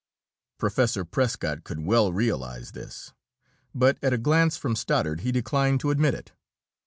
Professor Prescott could well realize this, but at a glance from Stoddard he declined to admit it.